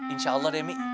insya allah deh mi